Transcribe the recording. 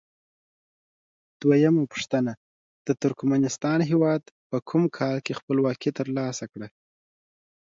دویمه پوښتنه: د ترکمنستان هیواد په کوم کال کې خپلواکي تر لاسه کړه؟